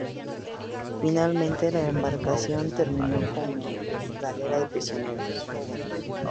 Finalmente la embarcación terminó como galera de prisioneros.